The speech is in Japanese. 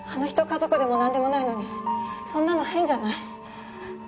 家族でも何でもないのにそんなの変じゃない？